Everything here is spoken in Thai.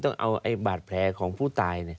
ต้องเอาบาดแผลของผู้ตาย